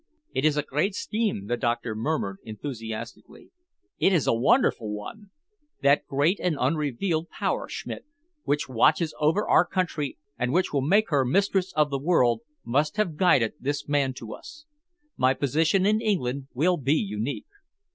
"It is a great scheme," the doctor murmured enthusiastically. "It is a wonderful one! That great and unrevealed Power, Schmidt, which watches over our country and which will make her mistress of the world, must have guided this man to us. My position in England will be unique.